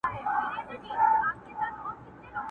په هرځای کي چي مي کړې آشیانه ده،